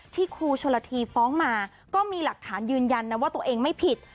ครูชนละทีฟ้องมาก็มีหลักฐานยืนยันนะว่าตัวเองไม่ผิด